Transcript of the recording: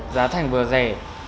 giá thành vừa rẻ